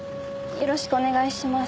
よろしくお願いします。